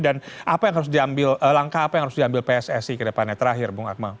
dan langkah apa yang harus diambil pssi ke depannya terakhir bung akmal